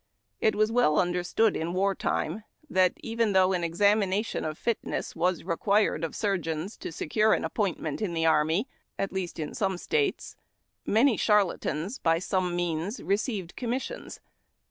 It was well understood in war time that, even tiiouo h an examination of fitness was required of sui o eons tos'ecure an appointment in the army, at least in some States, many charlatans, by some means, received commissions.